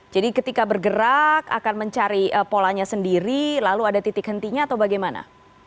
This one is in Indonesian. jadi ketika bergerak akan mencari polanya sendiri lalu ada titik hentinya atau bagaimana